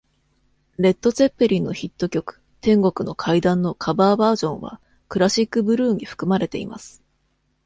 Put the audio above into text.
レッドツェッペリンのヒット曲「天国の階段」のカバーバージョンは「クラシックブルー」に含まれています。